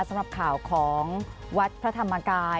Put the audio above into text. สำหรับข่าวของวัดพระธรรมกาย